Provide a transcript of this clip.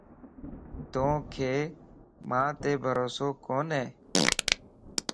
توکَ مانت بھروسو ڪوني؟